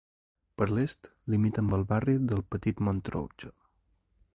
Per l'est, limita amb el barri del Petit-Montrouge.